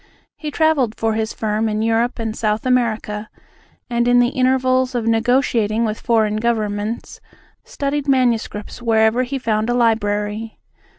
He travelled for his firm in Europe and South America; and in the intervals of negotiating with foreign governments studied manuscripts wherever he found a library.